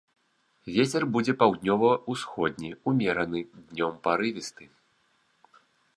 Вецер будзе паўднёва-ўсходні ўмераны, днём парывісты.